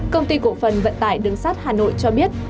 công ty cổ phần vận tải đứng sát hà nội cho biết